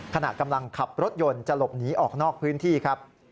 ขณะกำลังขับรถยนต์จะหลบหนีออกนอกพื้นที่ครับ